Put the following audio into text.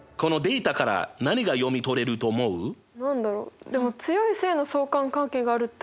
何だろう？